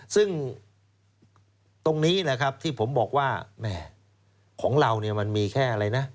ซึ่งตรงนี้แหละครับที่ผมบอกว่าแม่ของเราเนี่ยมันมีแค่อะไรนะ